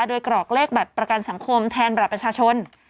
โดยกรอกเลขบัตรประกันสังคมแทนบัตรประชาชน